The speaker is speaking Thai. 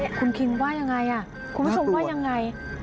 อื้อคุณคิงว่ายังไงคุณพี่สงว่ายังไง